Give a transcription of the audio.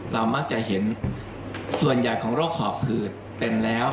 เรามักจะเห็นส่วนใหญ่ของโรคหอบหืดเป็นแล้ว